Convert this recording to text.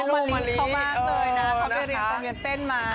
น้องมะลิเข้ามากเลยนะค่ะ